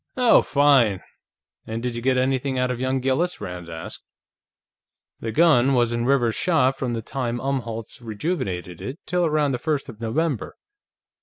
"Oh, fine! And did you get anything out of young Gillis?" Rand asked. "The gun was in Rivers's shop from the time Umholtz rejuvenated it till around the first of November.